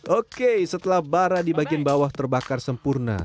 oke setelah bara di bagian bawah terbakar sempurna